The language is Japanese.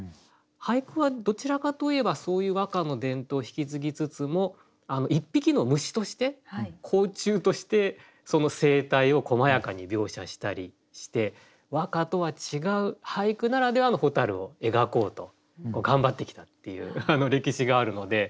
俳句はどちらかといえばそういう和歌の伝統引き継ぎつつも一匹の虫として甲虫としてその生態をこまやかに描写したりして和歌とは違う俳句ならではの蛍を描こうと頑張ってきたっていう歴史があるので。